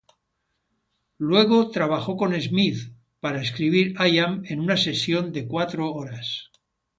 Luego trabajó con Smith para escribir "I Am" en una sesión de cuatro horas.